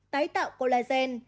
tái tạo collagen